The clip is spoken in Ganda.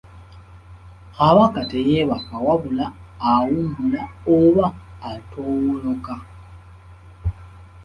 Kabaka teyeebaka wabula awummula oba atoowolooka.